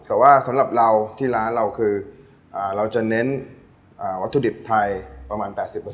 แต่ว่าสำหรับเราที่ร้านเราคือเราจะเน้นวัตถุดิบไทยประมาณ๘๐